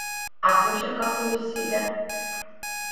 А кучер какой из себя?